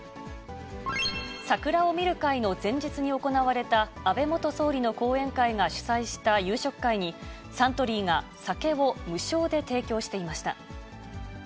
桜を見る会の前日に行われた、安倍元総理の後援会が主催した夕食会に、サントリーが酒を無償で提供していました。